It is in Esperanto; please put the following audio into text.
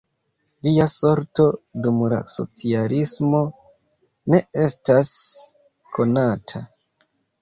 Lia sorto dum la socialismo ne estas konata.